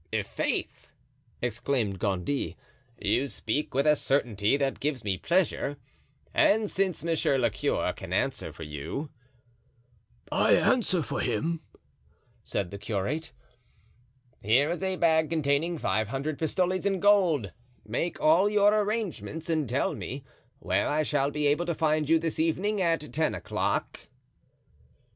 "I'faith!" exclaimed Gondy, "you speak with a certainty that gives me pleasure; and since monsieur le curé can answer for you——" "I answer for him," said the curate. "Here is a bag containing five hundred pistoles in gold; make all your arrangements, and tell me where I shall be able to find you this evening at ten o'clock."